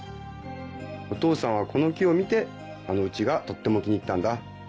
お父さんはこの木を見てあの家がとっても気に入ったんだ。